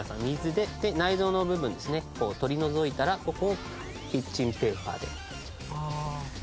で内臓の部分ですね取り除いたらここをキッチンペーパーではい。